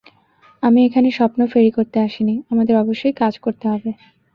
আমি এখানে স্বপ্ন ফেরি করতে আসিনি, আমাদের অবশ্যই কাজ করতে হবে।